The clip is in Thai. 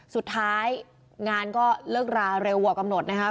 สุดท้ายงานก็เลิกราเร็วกว่ากำหนดนะครับ